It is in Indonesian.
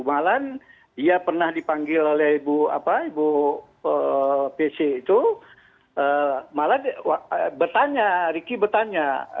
malah ia pernah dipanggil oleh ibu pc itu malah bertanya ricky bertanya